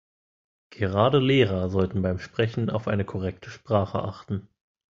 Gerade Lehrer sollten beim Sprechen auf eine korrekte Sprache achten.